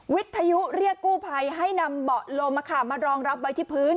วิทยุเรียกกู้ภัยให้นำเบาะลมมารองรับไว้ที่พื้น